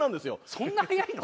そんな早いの？